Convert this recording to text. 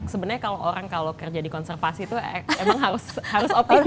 sebenarnya kalau orang kalau kerja di konservasi itu emang harus optimal